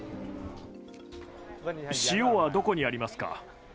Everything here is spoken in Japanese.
塩はどこにありますか？